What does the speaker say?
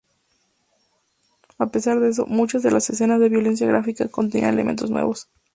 A pesar de eso, muchas de las escenas de violencia gráfica contenían elementos nuevos.